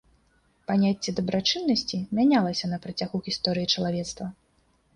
Паняцце дабрачыннасці мянялася на працягу гісторыі чалавецтва.